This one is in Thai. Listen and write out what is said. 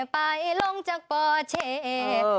ไปลงจากป่อเชเออ